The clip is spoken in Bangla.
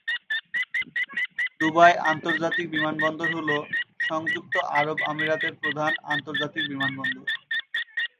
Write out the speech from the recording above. দুবাই আন্তর্জাতিক বিমানবন্দর হল সংযুক্ত আরব আমিরাতের প্রধান আন্তর্জাতিক বিমানবন্দর।